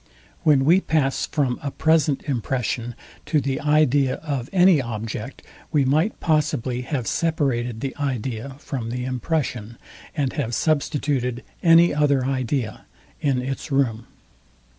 When we pass from a present impression to the idea of any object, we might possibly have separated the idea from the impression, and have substituted any other idea in its room.